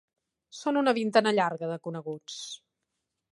Són una vintena llarga de coneguts.